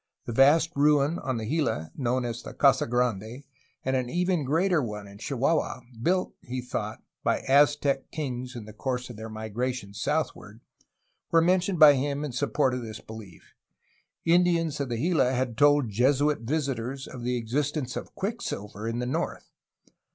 The vast ruin on the Gila known as the Casa Grande and an even greater one in Chihuahua, built, he thought, by Aztec kings in the course of their migration southward, were men tioned by him in support of this belief. Indians of the Gila had told Jesuit visitors of the existence of quicksilver in the north.